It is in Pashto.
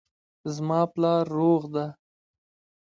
زما پلار روغ ده